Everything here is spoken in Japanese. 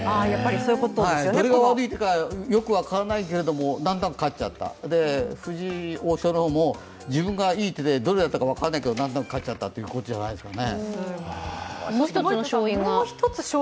どれが悪いというか、よく分からないけどもだんだん勝っちゃった、藤井王将の方も自分がいい手でどれがいいか分からないうちに何となく勝っちゃったということじゃないですかね。